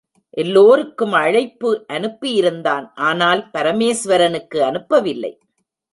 எல்லோருக்கும் அழைப்பு அனுப்பியிருந்தான் ஆனால் பரமேசுவரனுக்கு அனுப்பவில்லை.